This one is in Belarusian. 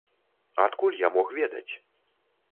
Адкуль я мог ведаць?